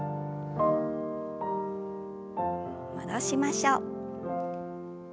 戻しましょう。